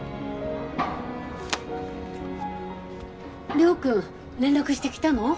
亮君連絡してきたの？